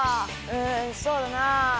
うんそうだな。